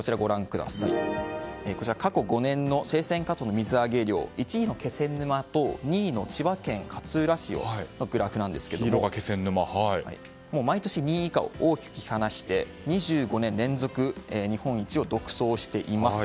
しかし、過去５年の生鮮カツオの水揚げ量１位の気仙沼と２位の千葉県勝浦市のグラフですが毎年２位以下を大きく引き離して２５年連続で日本一を独走しています。